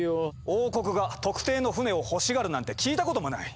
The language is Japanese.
王国が特定の船を欲しがるなんて聞いたこともない。